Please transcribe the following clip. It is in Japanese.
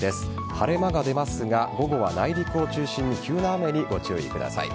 晴れ間が出ますが午後は内陸を中心に急な雨にご注意ください。